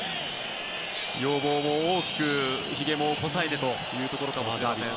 容貌も大きくひげもこさえてというところかもしれません。